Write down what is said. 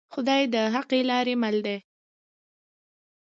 خدای د حقې لارې مل دی